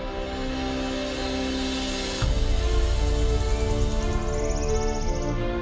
ที่ยิ่งเสร็จยังไง